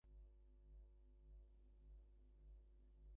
"Avenue B" elicited a mixed reaction from music critics.